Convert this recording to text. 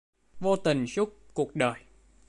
Vô tình suốt cuộc đời